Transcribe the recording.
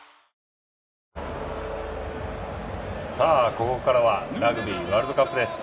ここからはラグビーワールドカップです。